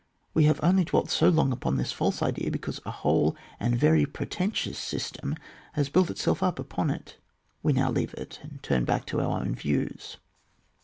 We have only dwelt so long upon this false idea because a whole — and very pre tentious— system has built itself upon it. We now leave it, and turn back to our own views.